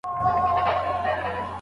هغه ښکار وو د ده غار ته ورغلی